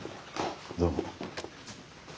どうも。